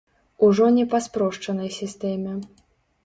Ужо не па спрошчанай сістэме.